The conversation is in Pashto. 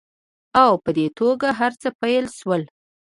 او په دې توګه هرڅه پیل شول